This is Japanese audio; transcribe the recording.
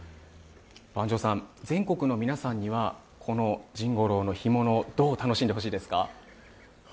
番匠さん、全国の皆さんには甚五朗の干物、どう楽しんでほしいですか？